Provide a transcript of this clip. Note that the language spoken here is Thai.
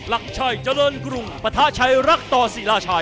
หลักชัยเจริญกรุงปะทะชัยรักต่อศิราชัย